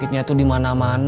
tertengah dilihara doang